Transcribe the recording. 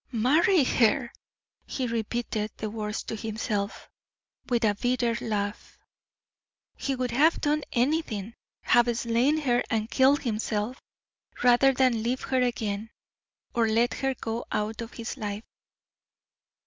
"Marry her!" he repeated the words to himself, with a bitter laugh. He would have done anything, have slain her and killed himself, rather than leave her again, or let her go out of his life.